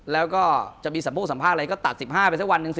แล้วก็จะมีสมโพกสัมภาพอะไรก็ตัด๑๕ไปสักวัน